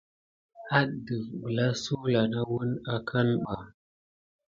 Adef gəlva sulà nà wune akane ɓa.